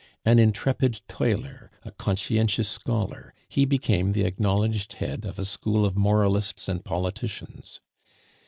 An intrepid toiler, a conscientious scholar, he became the acknowledged head of a school of moralists and politicians.